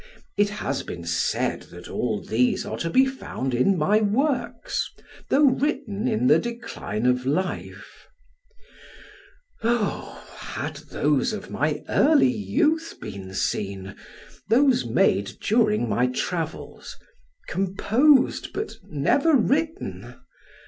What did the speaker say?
It has been said, that all these are to be found in my works, though written in the decline of life. Oh! had those of my early youth been seen, those made during my travels, composed, but never written!